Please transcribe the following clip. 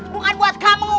bukan buat kamu